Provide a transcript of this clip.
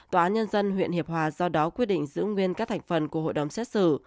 tòa án nhân dân huyện hiệp hòa do đó quyết định giữ nguyên các thành phần của hội đồng xét xử